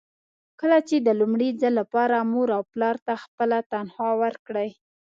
کله چې د لومړي ځل لپاره مور او پلار ته خپله تنخوا ورکړئ.